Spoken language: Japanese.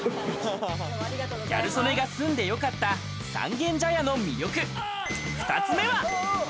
ギャル曽根が住んでよかった三軒茶屋の魅力、２つ目は。